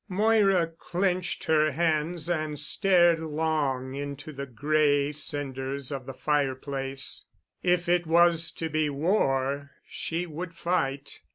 Moira clenched her hands and stared long into the gray cinders of the fireplace. If it was to be war, she would fight.